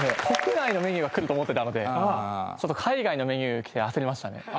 国内のメニューが来ると思ってたので海外のメニュー来て焦りましたね。